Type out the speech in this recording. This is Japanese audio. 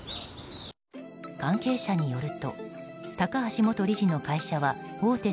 関係者によると高橋元理事の会社は大手